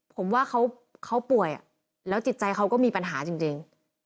ผมว่าเขาป่วยแล้วจิตใจเขาก็มีปัญหาจริง